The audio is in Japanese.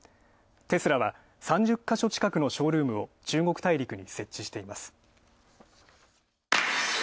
テスラは３０か所近くのショールームを中国大陸に設置しています。